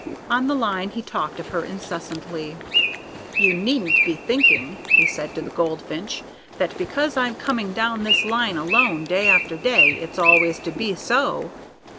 On the line he talked of her incessantly. "You needn't be thinking," he said to the goldfinch, "that because I'm coming down this line alone day after day, it's always to be so.